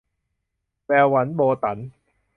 แวววัน - โบตั๋น